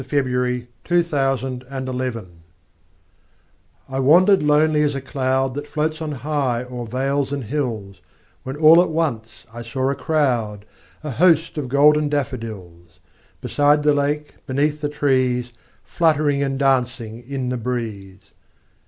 William Wordsworth I Wandered Lonely As a Cloud I WANDERED lonely as a cloud That floats on high o'er vales and hills, When all at once I saw a crowd, A host, of golden daffodils; Beside the lake, beneath the trees, Fluttering and dancing in the breeze.